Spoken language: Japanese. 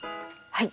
はい。